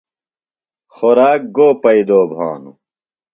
خوراک گو پیئدو بھانوۡ؟